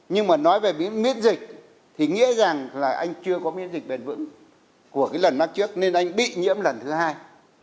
nhưng mà nói về miễn dịch thì nghĩa rằng là anh chưa có miễn dịch bền vững của cái lần mắc trước nên anh bị nhiễm lần thứ hai